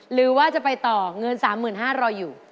หรือว่าจะไปต่อเงิน๓๕๐๐รออยู่